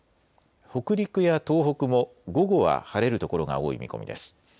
北陸や東北も午後は晴れる所が多い見込みです。